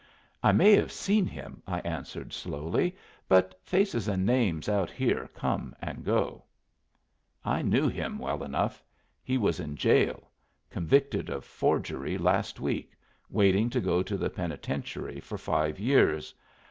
"I may have seen him," I answered, slowly. "But faces and names out here come and go." I knew him well enough. He was in jail, convicted of forgery last week, waiting to go to the penitentiary for five years.